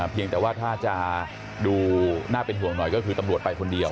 เพียงแต่ว่าถ้าจะดูน่าเป็นห่วงหน่อยก็คือตำรวจไปคนเดียว